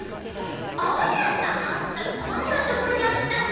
あらなんだこんなところにあったの？